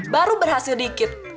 baru berhasil dikit